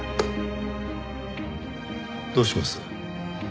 どうします？